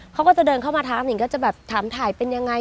เขาก็จะเดินเข้ามาทักนิงก็จะแบบถามถ่ายเป็นยังไง